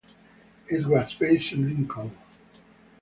It was based in Lincoln.